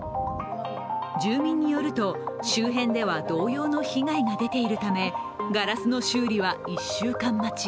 住民によると、周辺では同様の被害が出ているためガラスの修理は１週間待ち。